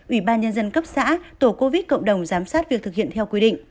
ủy ban nhân dân cấp xã tổ covid cộng đồng giám sát việc thực hiện theo quy định